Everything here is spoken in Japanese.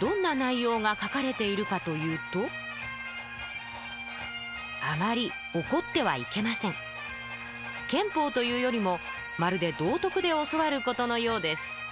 どんな内容が書かれているかというと憲法というよりもまるで道徳で教わることのようです